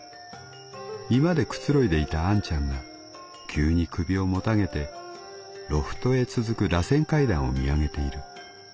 居間でくつろいでいたあんちゃんが急に首をもたげてロフトへ続く螺旋階段を見上げている。